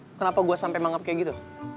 lo mau tau kenapa gue sampe mangap kayak gitu